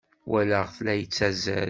Walaɣ-t la yettazzal.